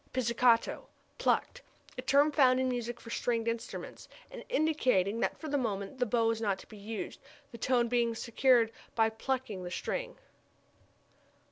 Pizzicato plucked. A term found in music for stringed instruments, and indicating that for the moment the bow is not to be used, the tone being secured by plucking the string.